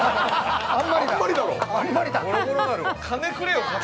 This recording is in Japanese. あんまりだろ！